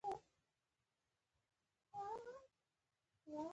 تاسو راځئ زه هم در نږدې يم